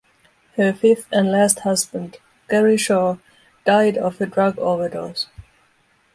Her fifth and last husband, Gary Shaw, died of a drug overdose.